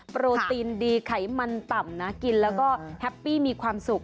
โปรตีนดีไขมันต่ำนะกินแล้วก็แฮปปี้มีความสุข